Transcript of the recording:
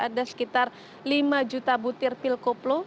ada sekitar lima juta butir pil koplo